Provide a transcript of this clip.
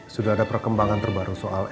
sudah ada perkembangan terbaru soal elsa pa